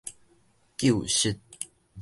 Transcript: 究實